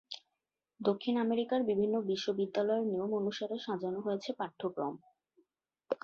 দক্ষিণ আমেরিকার বিভিন্ন বিশ্ববিদ্যালয়ের নিয়ম অনুসারে সাজানো হয়েছে পাঠ্যক্রম।